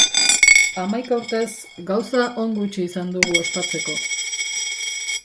Hamaika urtez gauza on gutxi izan dugu ospatzeko.